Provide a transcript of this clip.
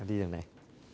em đi đường này